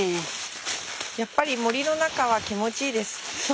やっぱり森の中は気持ちいいです。